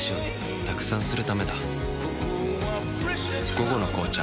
「午後の紅茶」